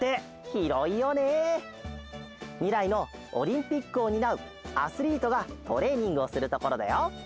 みらいのオリンピックをになうアスリートがトレーニングをするところだよ。